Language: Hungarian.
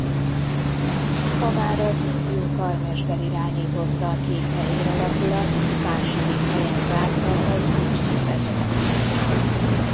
A már az ifjú karmester irányította kék-fehér alakulat második helyen zárta az őszi szezont.